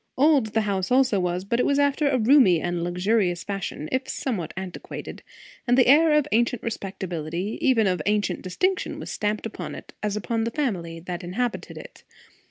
Old the house also was; but it was after a roomy and luxurious fashion, if somewhat antiquated; and the air of ancient respectability, even of ancient distinction, was stamped upon it, as upon the family that inhabited it.